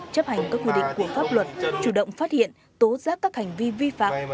chấp hành các quy định của pháp luật chủ động phát hiện tố giác các hành vi vi phạm